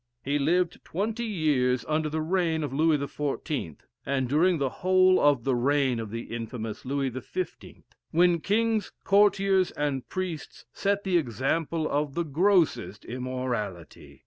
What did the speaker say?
He lived twenty, years under the reign of Louis XIV., and during the whole of the reign of the infamous Louis XV., when kings, courtiers, and priests set the example of the grossest immorality.